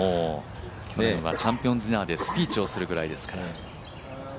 去年はチャンピオンズディナーでスピーチをするぐらいですから。